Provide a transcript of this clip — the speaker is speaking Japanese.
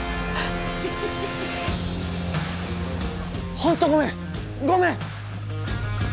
本当ごめん、ごめん！